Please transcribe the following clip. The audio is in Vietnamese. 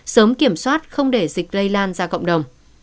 sớm kiểm soát không để dịch lây lan ra cộng đồng